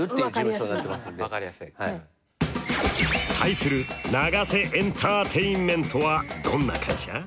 対するＮＡＧＡＳＥエンターテインメントはどんな会社？